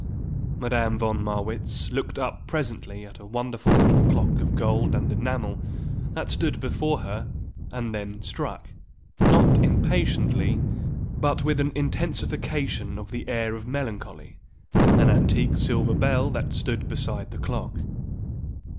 Madame von Marwitz looked up presently at a wonderful little clock of gold and enamel that stood before her and then struck, not impatiently, but with an intensification of the air of melancholy, an antique silver bell that stood beside the clock.